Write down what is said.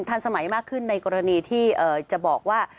ทันสมัยมากขึ้นในกรณีที่จะบอกว่า